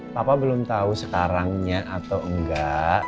papa belum tahu sekarangnya atau enggak